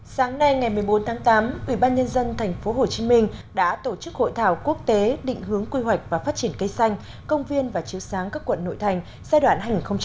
sáng nay ngày một mươi bốn tháng tám ubnd tp hcm đã tổ chức hội thảo quốc tế định hướng quy hoạch và phát triển cây xanh công viên và chiếu sáng các quận nội thành giai đoạn hai nghìn hai mươi một hai nghìn ba mươi